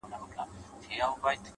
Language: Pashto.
• نن شپه د ټول كور چوكيداره يمه ـ